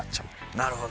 なるほど。